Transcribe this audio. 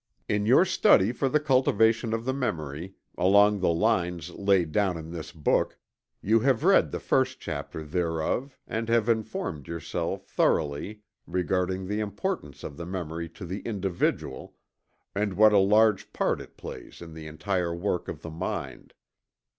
In your study for the cultivation of the memory, along the lines laid down in this book, you have read the first chapter thereof and have informed yourself thoroughly regarding the importance of the memory to the individual, and what a large part it plays in the entire work of the mind.